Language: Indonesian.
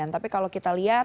tapi kalau kita lihat